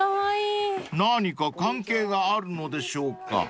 ［何か関係があるのでしょうか？］